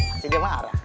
pasir dia marah